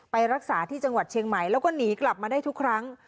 ไปรักษาที่จังหวัดเชียงใหม่แล้วก็หนีกลับมาได้ทุกครั้ง